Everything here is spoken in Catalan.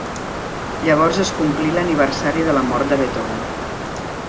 Llavors es complí l'aniversari de la mort de Beethoven.